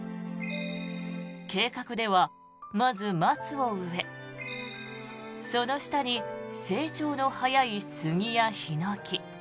計画では、まず松を植えその下に成長の早い杉やヒノキ